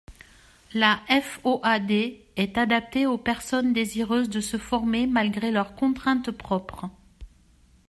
La FOAD est adaptée aux personnes désireuses de se former malgré leurs contraintes propres.